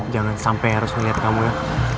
jangan sampai eros ngeliat kamu ya